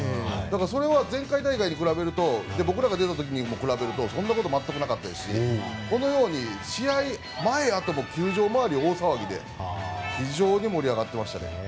それは前回大会に比べると僕らが出た時とも比べるとそんなこと全くなかったし球場周り、大騒ぎで非常に盛り上がってましたね。